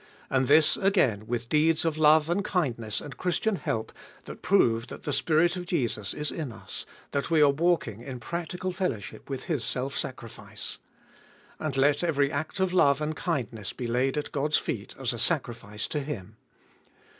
And this, again, with deeds of love and kindness and Christian help that prove that the Spirit of Jesus is in us, that we are walking in practical fellowship with His self sacrifice. And let every act of love and kindness be laid at God's feet as a sacrifice to Him.